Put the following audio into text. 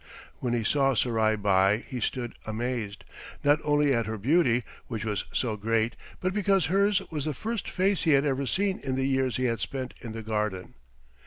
When he saw Surai Bai he stood amazed, not only at her beauty, which was so great, but because hers was the first face he had ever seen in the years he had spent in the garden.